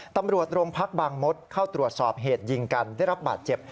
ตำรวจโรงพักบางมดเข้าตรวจสอบเหตุยิงกันได้รับบาดเจ็บ